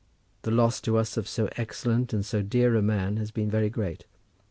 The loss to us of so excellent and so dear a man has been very great.